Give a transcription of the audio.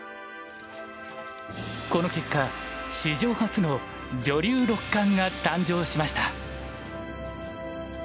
この結果史上初の女流六冠が誕生しました。